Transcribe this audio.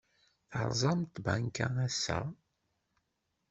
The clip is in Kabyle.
Terẓem tbanka ass-a?